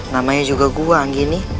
namanya juga gua anggini